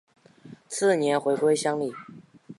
次年回归乡里。